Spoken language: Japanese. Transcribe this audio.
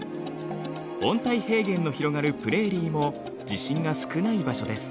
温帯平原の広がるプレーリーも地震が少ない場所です。